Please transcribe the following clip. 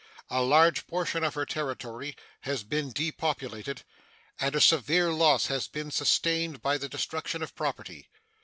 A large portion of her territory has been depopulated, and a severe loss has been sustained by the destruction of property.